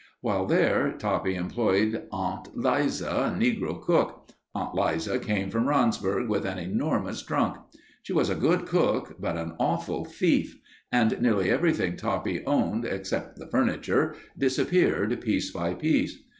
While there, Toppy employed Aunt Liza, a negro cook. Aunt Liza came from Randsburg with an enormous trunk. She was a good cook, but an awful thief and nearly everything Toppy owned except the furniture disappeared piece by piece.